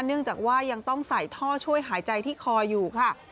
เนื่องจากว่ายังต้องใส่ท่อช่วยหายใจที่คออยู่ค่ะ